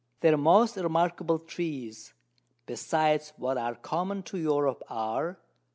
_] Their most remarkable Trees, besides what are common to Europe, are 1.